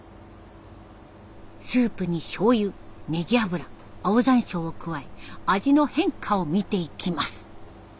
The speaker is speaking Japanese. スープにしょうゆねぎ油青ざんしょうを加え味の変化をみていきます。